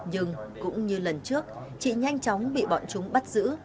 nhưng cũng như lần trước chị nhanh chóng bị bọn chúng bắt giữ